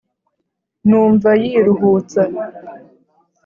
numva yiruhutsa